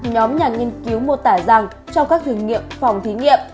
nhóm nhà nghiên cứu mô tả rằng trong các thử nghiệm phòng thí nghiệm